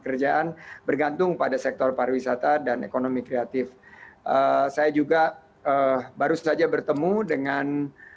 kerjaan bergantung pada sektor pariwisata dan ekonomi kreatif saya juga baru saja bertemu dengan